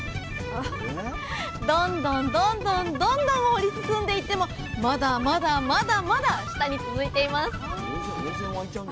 どんどんどんどんどんどん掘り進んでいってもまだまだまだまだ下に続いています！